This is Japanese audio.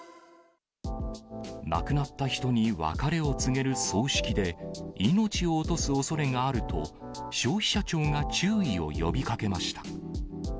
亡くなった人に別れを告げる葬式で、命を落とすおそれがあると、消費者庁が注意を呼びかけました。